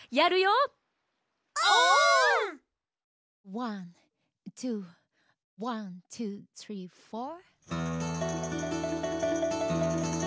ワンツーワンツースリーフォー。